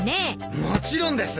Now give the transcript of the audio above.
もちろんです。